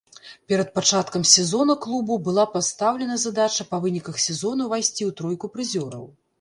Перад пачаткам сезона клубу была пастаўлена задача па выніках сезона ўвайсці ў тройку прызёраў.